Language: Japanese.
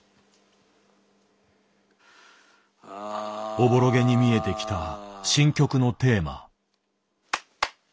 おぼろげに見えてきた新曲のテーマ。